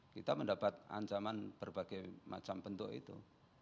kita mendapat ancaman berbagai macam bentuk itu